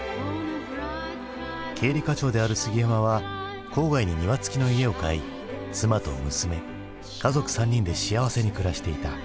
経理課長である杉山は郊外に庭付きの家を買い妻と娘家族３人で幸せに暮らしていた。